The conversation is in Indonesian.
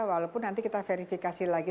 walaupun nanti kita verifikasi lagi